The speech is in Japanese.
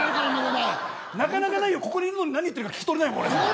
なかなかないよ、ここにいるのに何言ってるか聞き取れないもん。